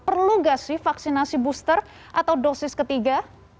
perlu nggak sih vaksinasi booster atau dosis ketiga